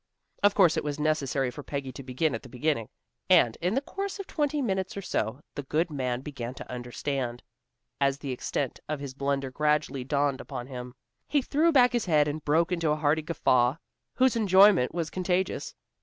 Of course it was necessary for Peggy to begin at the beginning, and in the course of twenty minutes or so, the good man began to understand. As the extent of his blunder gradually dawned upon him, he threw back his head and broke into a hearty guffaw whose enjoyment was contagious.